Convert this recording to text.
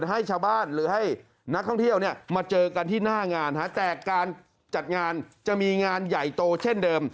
ให้ชาวบ้านหรือให้นักท่องเที่ยวเนี่ยมาเจอกันที่หน้างานแต่การจัดงานจะมีงานใหญ่โตเช่นเดิม